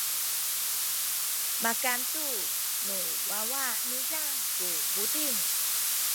makan tu nu wawa niza ku buting.